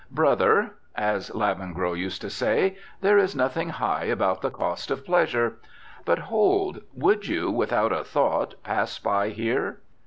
Brother (as Lavengro used to say), there is nothing high about the cost of pleasure. But hold! would you, without a thought, pass by here?